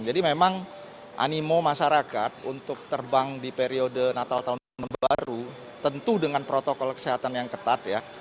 jadi memang animo masyarakat untuk terbang di periode natal tahun baru tentu dengan protokol kesehatan yang ketat ya